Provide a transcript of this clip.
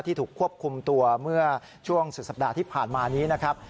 ถูกควบคุมตัวเมื่อช่วงสุดสัปดาห์ที่ผ่านมานี้นะครับ